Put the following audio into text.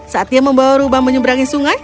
saat dia membawa rubah menyeberangi sungai